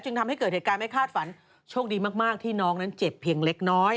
ทำให้เกิดเหตุการณ์ไม่คาดฝันโชคดีมากที่น้องนั้นเจ็บเพียงเล็กน้อย